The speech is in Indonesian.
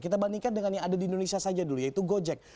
kita bandingkan dengan yang ada di indonesia saja dulu yaitu gojek